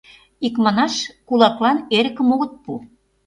Икманаш, кулаклан эрыкым огыт пу.